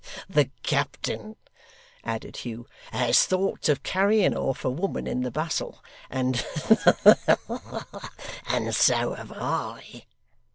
The captain,' added Hugh, 'has thoughts of carrying off a woman in the bustle, and ha ha ha! and so have I!